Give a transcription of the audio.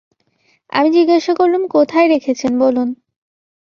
আমি জিজ্ঞাসা করলুম, কোথায় রেখেছেন বলুন।